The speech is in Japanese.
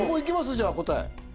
じゃあ答え